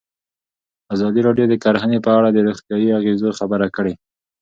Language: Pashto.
ازادي راډیو د کرهنه په اړه د روغتیایي اغېزو خبره کړې.